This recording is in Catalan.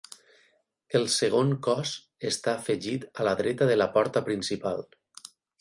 El segon cos està afegit a la dreta de la porta principal.